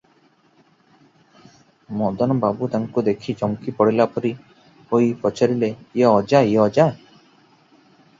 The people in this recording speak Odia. ମଦନ ବାବୁ ତାଙ୍କୁ ଦେଖି ଚମକି ପଡ଼ିଲା ପରି ହୋଇ ପଚାରିଲେ, "ଇଏ ଅଜା, ଇଏ ଅଜା!